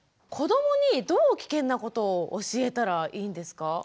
子どもにどう危険なことを教えたらいいんですか？